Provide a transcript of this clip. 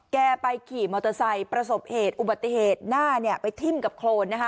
แกไปขี่มอเตอร์ไซค์ประสบเหตุอุบัติเหตุหน้าเนี่ยไปทิ้มกับโครนนะคะ